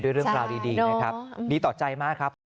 เรื่องราวดีนะครับดีต่อใจมากครับ